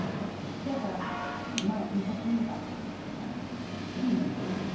そやから昔で言えば９文ないわけです。